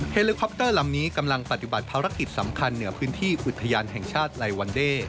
เลิคอปเตอร์ลำนี้กำลังปฏิบัติภารกิจสำคัญเหนือพื้นที่อุทยานแห่งชาติไลวันเด้